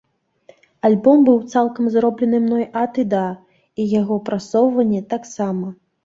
Альбом быў цалкам зроблены мной ад і да, і яго прасоўванне таксама.